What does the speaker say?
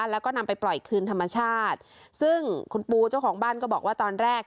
แล้วก็นำไปปล่อยคืนธรรมชาติซึ่งคุณปูเจ้าของบ้านก็บอกว่าตอนแรก